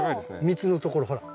蜜のところほら。